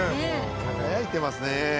輝いてますね。